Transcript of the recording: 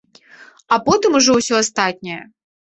А потым ужо ўсё астатняе.